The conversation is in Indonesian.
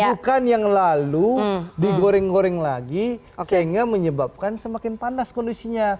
bukan yang lalu digoreng goreng lagi sehingga menyebabkan semakin panas kondisinya